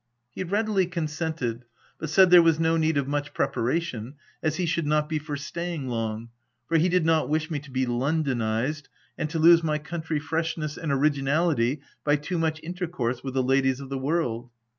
He readily consented, but said there was no need of much preparation, as he should not be for staying long, for he did not wish me to be Londonized, and to lose my country fresh ness and originality by too much intercourse with the ladies of the world.